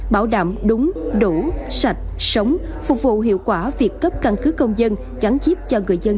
bảo đảm đúng đủ sạch sống phục vụ hiệu quả việc cấp căn cứ công dân gắn chip cho người dân